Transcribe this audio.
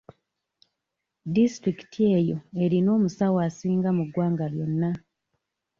Disitulikiti eyo erina omusawo asinga mu ggwanga lyonna.